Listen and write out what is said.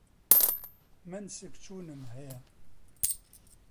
من سکچوونم هەیە.